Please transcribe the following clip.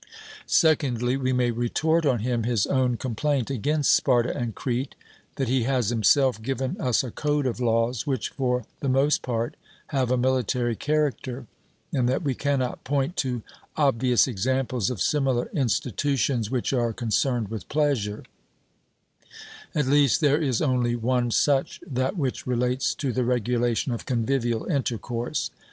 Secondly, we may retort on him his own complaint against Sparta and Crete, that he has himself given us a code of laws, which for the most part have a military character; and that we cannot point to 'obvious examples of similar institutions which are concerned with pleasure;' at least there is only one such, that which relates to the regulation of convivial intercourse.